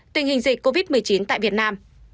tình hình dịch covid một mươi chín tại việt nam